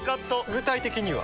具体的には？